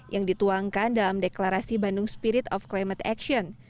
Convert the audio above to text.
yang dituangkan dalam deklarasi bandung spirit of climate action